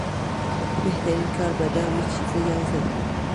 بهترین کار به دا وي چې زه یو ځل.